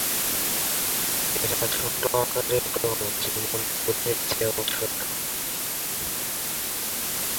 এরা ছোট আকারের গ্রহ যেমন বুধের চেয়েও ছোট।